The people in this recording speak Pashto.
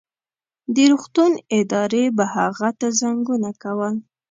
د روغتون ادارې به هغه ته زنګونه کول.